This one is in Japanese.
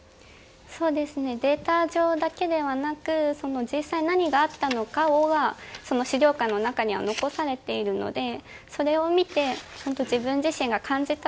データ上だけではなく実際、何があったのかが資料館の中には残されているのでそれを見て自分自身が感じた